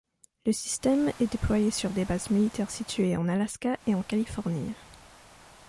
Le système est déployé sur des bases militaires situées en Alaska et en Californie.